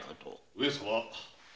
・上様。